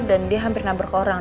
dan dia hampir nabrak orang